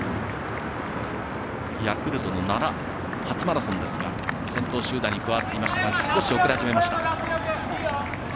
ヤクルトの奈良初マラソンですが先頭集団に加わっていますが少し遅れ始めました。